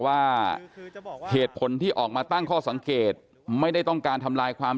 ว่าเหตุผลที่ออกมาตั้งข้อสังเกตไม่ได้ต้องการทำลายความ